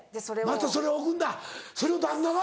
またそれを置くんだそれを旦那は？